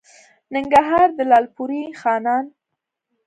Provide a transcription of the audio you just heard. ننګرهار؛ د لالپورې خانان